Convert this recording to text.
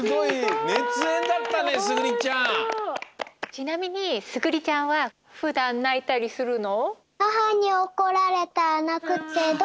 ちなみにすぐりちゃんはふだんないたりするの？